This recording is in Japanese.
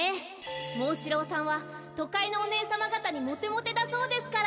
モンシローさんはとかいのおねえさまがたにモテモテだそうですから。